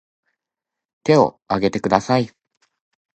手を挙げてください